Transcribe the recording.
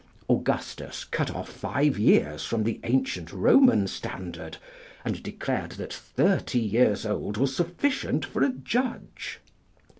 Augustus cut off five years from the ancient Roman standard, and declared that thirty years old was sufficient for a judge.